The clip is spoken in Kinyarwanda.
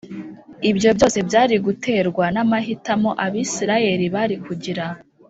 Ibyo byose byari guterwa n’amahitamo Abisirayeli bari kugira